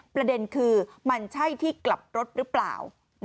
ประเด็นคือมันใช่ที่กลับรถหรือเปล่า